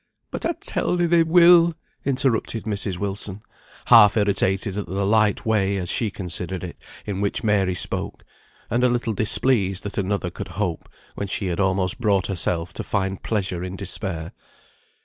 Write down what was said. "But I tell thee they will," interrupted Mrs. Wilson, half irritated at the light way, as she considered it, in which Mary spoke; and a little displeased that another could hope when she had almost brought herself to find pleasure in despair.